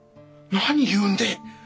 何言うんでぇ。